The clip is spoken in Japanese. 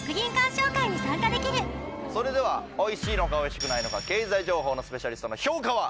それではオイシいのかオイシくないのか経済情報のスペシャリストの評価は？